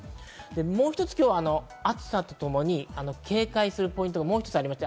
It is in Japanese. もう一つ、今日は暑さとともに警戒するポイントがあります。